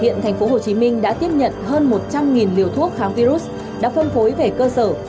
hiện tp hcm đã tiếp nhận hơn một trăm linh liều thuốc kháng virus đã phân phối về cơ sở